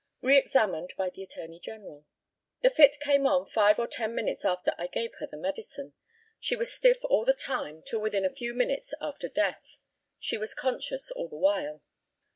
Re examined by the ATTORNEY GENERAL: The fit came on five or ten minutes after I gave her the medicine. She was stiff all the time till within a few minutes after death. She was conscious all the while.